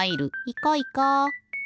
いこいこ。